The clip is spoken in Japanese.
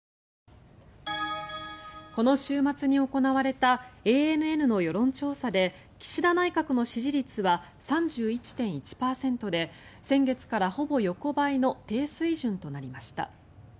この週末に行われたＡＮＮの世論調査で岸田内閣の支持率は３１．１％で先月からほぼ横ばいの低水準となりました。